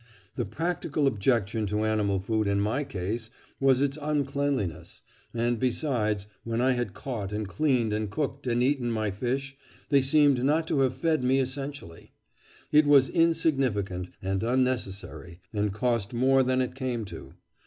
The practical objection to animal food in my case was its uncleanness, and besides, when I had caught and cleaned and cooked and eaten my fish, they seemed not to have fed me essentially. It was insignificant and unnecessary, and cost more than it came to.